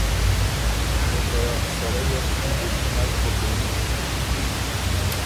او که سړئ ات دی بو نک بُکِن